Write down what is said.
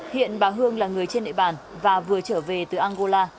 hiện bà hương là người trên nệ bàn và vừa trở về từ angola